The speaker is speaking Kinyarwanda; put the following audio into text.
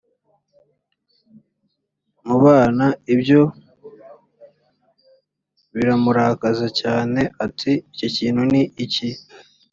mu bana ibyo biramurakaza cyane ati iki kintu ni iki